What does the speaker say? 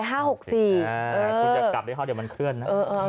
คุณจะกลับได้เท่าเดี๋ยวมันเคลื่อนนะ